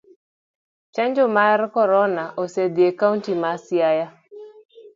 Chanjo mar korona osidh e kaunti ma siaya.